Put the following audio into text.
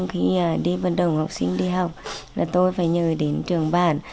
khi đi vận động học sinh đi học là tôi phải nhờ đến trường bản